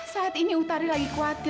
saat ini utari lagi khawatir